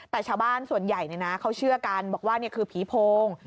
แต่ชาวบ้านส่วนใหญ่เขาเชื่อกันบอกว่านี่คือผีโพง